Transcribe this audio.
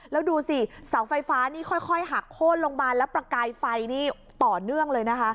แล้วดูสิเสาไฟฟ้านี่ค่อยหักโค้นลงมาแล้วประกายไฟนี่ต่อเนื่องเลยนะคะ